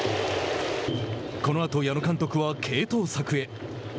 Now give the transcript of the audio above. このあと矢野監督は継投策へ。